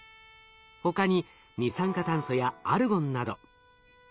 他に二酸化炭素やアルゴンなど。